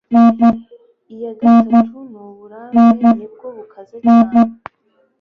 iya gatatu ni uburambe, ni bwo bukaze cyane